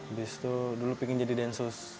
abis itu dulu pingin jadi densus